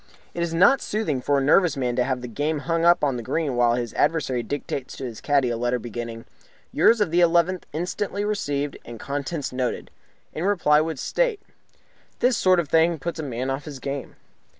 It is not soothing for a nervous man to have the game hung up on the green while his adversary dictates to his caddy a letter beginning "Yours of the 11th inst. received and contents noted. In reply would state " This sort of thing puts a man off his game.